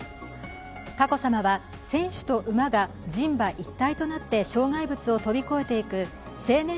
佳子さまは、選手と馬が人馬一体となって障害物を飛び越えていく成年